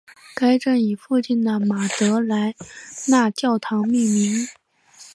该站以附近的马德莱娜教堂命名。